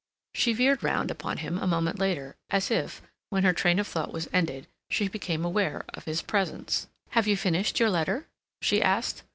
She veered round upon him a moment later, as if, when her train of thought was ended, she became aware of his presence. "Have you finished your letter?" she asked.